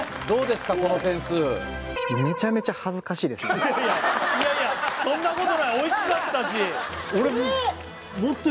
どうですか？